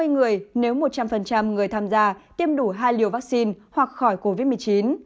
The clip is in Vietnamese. hai mươi người nếu một trăm linh người tham gia tiêm đủ hai liều vaccine hoặc khỏi covid một mươi chín